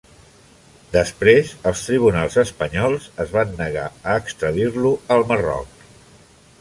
Després els tribunals espanyols es va negar a extradir-lo al Marroc.